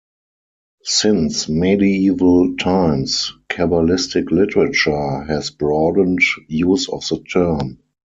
Since medieval times, kabbalistic literature has broadened use of the term.